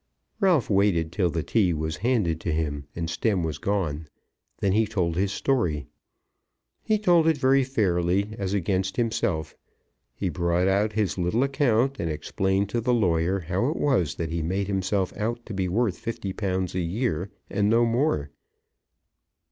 Ralph waited till the tea was handed to him and Stemm was gone. Then he told his story. He told it very fairly as against himself. He brought out his little account and explained to the lawyer how it was that he made himself out to be worth fifty pounds a year, and no more.